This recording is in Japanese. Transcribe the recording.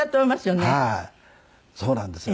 はいそうなんですよ。